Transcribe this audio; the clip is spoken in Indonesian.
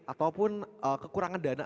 ataupun kekurangan dana